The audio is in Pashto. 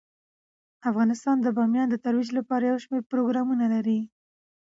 افغانستان د بامیان د ترویج لپاره یو شمیر پروګرامونه لري.